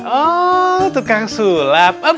oh tukang sulap